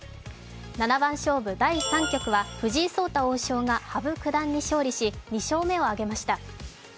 七番勝負第３局は藤井聡太王将が羽生九段に勝利し２勝目を挙げました。